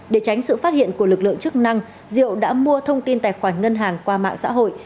để tránh sự phát hiện của lực lượng chức năng diệu đã mua thông tin tài khoản ngân hàng qua mạng xã hội